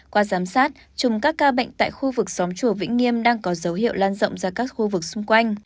qua giám sát chùm các ca bệnh tại khu vực xóm chùa vĩnh nghiêm đang có dấu hiệu lan rộng ra các khu vực xung quanh